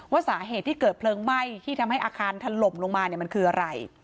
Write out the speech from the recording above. ว่าสาเหตุที่เกิดเพลิงไหม้ที่ทำให้อาคารถล่มลงมาเนี่ยมันคืออะไร